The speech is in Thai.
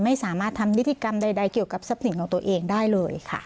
ไม่สามารถทำนิติกรรมใดเกี่ยวกับทรัพย์สินของตัวเองได้เลยค่ะ